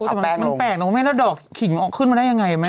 เอาแป้งลงโอ้ยมันแปลกนะว่าไม่รู้ดอกขิงออกขึ้นมาได้ยังไงไหม